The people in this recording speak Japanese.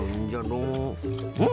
うん？